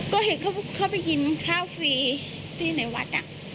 ก็เห็นเขาเข้าไปกินข้าวฟรีที่ในวัด